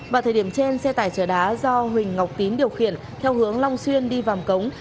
vào thời điểm trên xe tải chở đá do huỳnh ngọc tín điều khiển theo hướng long xuyên đi vàm cống